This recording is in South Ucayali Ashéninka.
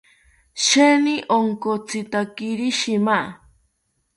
Sheeni onkotzitakiri shima